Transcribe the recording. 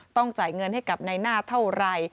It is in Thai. ต้องจ่ายเงินให้กับในหน้าเท่าไร